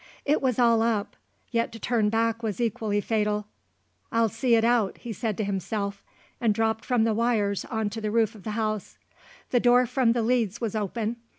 It was all up; yet to turn back was equally fatal. "I'll see it out," he said to himself, and dropped from the wires on to the roof of the house. The door from the leads was open.